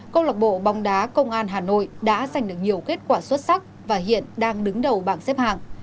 công lạc bộ bóng đá công an hà nội đã giành được nhiều kết quả xuất sắc và hiện đang đứng đầu bảng xếp hạng